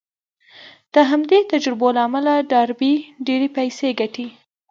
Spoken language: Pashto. د همدې تجربو له امله ډاربي ډېرې پيسې ګټي.